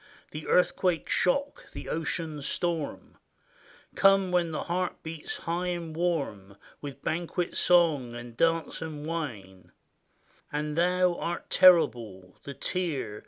The earthquake shock, the ocean storm; Come when the heart beats high and warm, With banquet song, and dance, and wine; And thou art terrible — the tear.